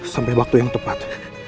sampai waktu yang tepat